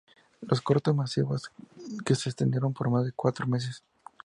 Los cortes masivos, que se extendieron por más de cuatro meses.